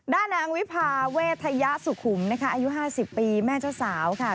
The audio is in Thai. ด้านนางวิพาเวทยสุขุมนะคะอายุ๕๐ปีแม่เจ้าสาวค่ะ